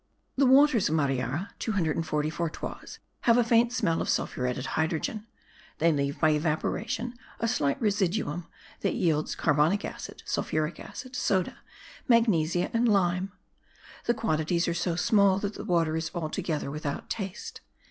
The waters of Mariara (244 toises) have a faint smell of sulphuretted hydrogen; they leave, by evaporation, a slight residuum, that yields carbonic acid, sulphuric acid, soda, magnesia and lime. The quantities are so small that the water is altogether without taste.